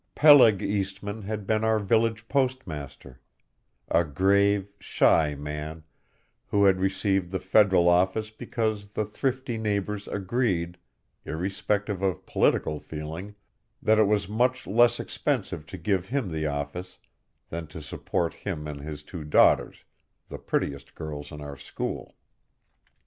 Peleg Eastmann had been our village postmaster, a grave, shy man, who had received the federal office because the thrifty neighbors agreed, irrespective of political feeling, that it was much less expensive to give him the office than to support him and his two daughters, the prettiest girls in our school.